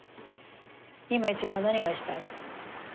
今一番何がしたい？